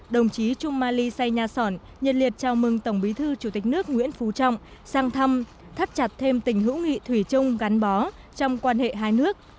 đồng chí trung mali say nha sòn nhiệt liệt chào mừng tổng bí thư chủ tịch nước nguyễn phú trọng sang thăm thắt chặt thêm tình hữu nghị thủy chung gắn bó trong quan hệ hai nước